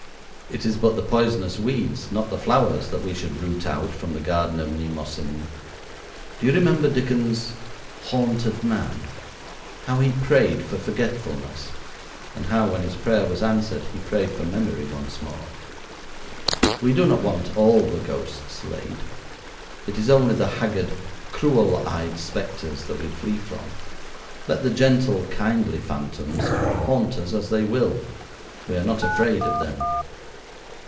It is but the poisonous weeds, not the flowers, that we should root out from the garden of Mnemosyne. Do you remember Dickens' "Haunted Man" how he prayed for forgetfulness, and how, when his prayer was answered, he prayed for memory once more? We do not want all the ghosts laid. It is only the haggard, cruel eyed specters that we flee from. Let the gentle, kindly phantoms haunt us as they will; we are not afraid of them.